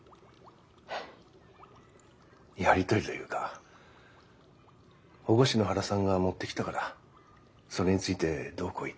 やり取りというか保護司の原さんが持ってきたからそれについてどうこう言っただけですよ。